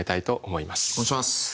お願いします。